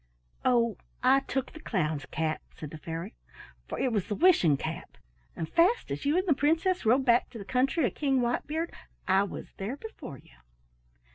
"Oh, I took the clown's cap," said the fairy, "for it was the wishing cap, and fast as you and the Princess rode back to the country of King Whitebeard I was there before you."